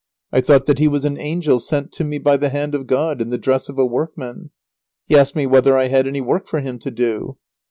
I thought that he was an angel sent to me by the hand of God, in the dress of a workman. He asked me whether I had any work for him to do.